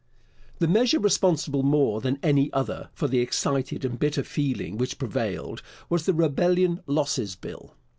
The measure responsible more than any other for the excited and bitter feeling which prevailed was the Rebellion Losses Bill.